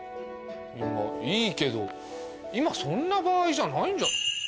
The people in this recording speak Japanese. まぁいいけど今そんな場合じゃないんじゃ。